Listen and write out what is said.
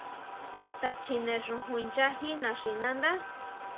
Chuta chine xojon ncha jín naxinandá.